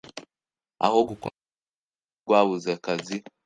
aho gukomeza kuvuga ko rwabuze akazi.